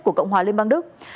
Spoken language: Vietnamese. của cộng hòa liên bang đức